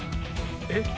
えっ？